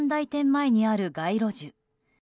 前にある街路樹。